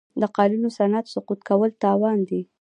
د قالینو صنعت سقوط کول تاوان دی.